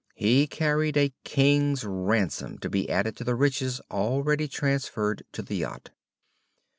He carried a king's ransom to be added to the riches already transferred to the yacht.